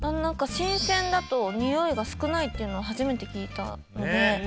新鮮だとにおいが少ないっていうのは初めて聞いたので。